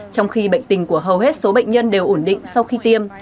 trong khi bệnh tình của hầu hết số bệnh nhân đều ổn định sau khi tiêm